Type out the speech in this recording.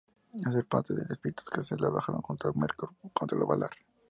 Hace parte de los espíritus que se rebelaron junto a Melkor contra los Valar.